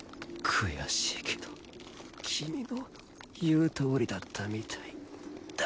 悔しいけど君の言うとおりだったみたいだな。